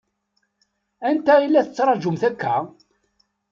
Anta i la tettṛaǧumt akka?